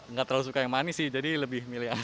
nggak terlalu suka yang manis sih jadi lebih milih